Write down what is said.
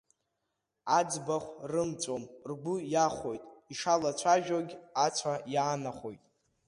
Аӡбахә рымҵәом ргәы иахәоит, ишалацәажәогь ацәа иаанахәоит.